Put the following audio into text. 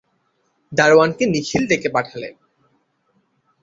দারোয়ানকে নিখিল ডেকে পাঠালে।